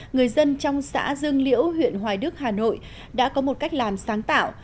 người dân trong xã dương liễu huyện hoài đức hà nội đã có một cách làm sáng tạo